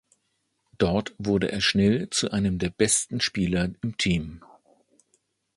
Dort wurde er schnell zu einem der besten Spieler im Team.